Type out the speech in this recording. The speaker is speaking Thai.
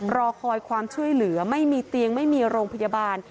รอคอยความช่วยเหลือไม่มีเตียงไม่มีโรงพยาบาล